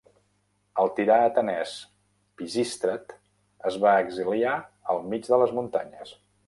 El tirà atenès Pisístrat es va exiliar al mig de les muntanyes.